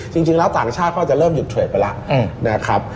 จริงแล้วต่างชาติเขาจะเริ่มหยุดเทรดไปแล้วนะครับ